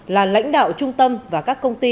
là lãnh đạo trung tâm và các công ty